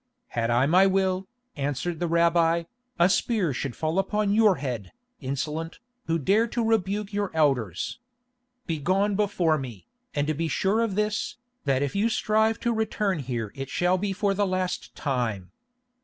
"Had I my will," answered the Rabbi, "a spear should fall upon your head, insolent, who dare to rebuke your elders. Begone before me, and be sure of this, that if you strive to return here it shall be for the last time.